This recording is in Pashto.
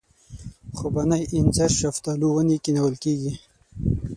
خوبانۍ اینځر شفتالو ونې کښېنول کېږي.